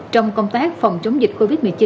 trong công tác phòng chống dịch covid một mươi chín